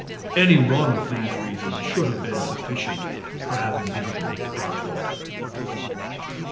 Any one of these reasons should have been sufficient for having written "Darkwater."